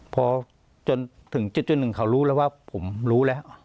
พอจนถึงจุดหนึ่งเขารู้แล้วว่าผมรู้แล้ว